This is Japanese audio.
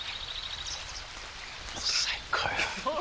最高よ。